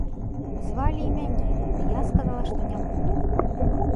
Звалі і мяне, ды я сказала, што не буду.